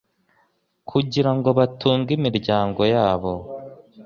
kugira ngo batunge imiryango yabo